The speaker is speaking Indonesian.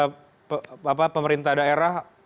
sudah ada ini pak dari pemerintah provinsi pemerintah daerah